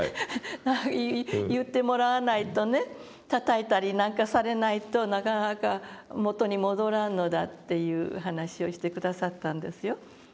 「言ってもらわないとねたたいたりなんかされないとなかなか元に戻らんのだ」という話をして下さったんですよ。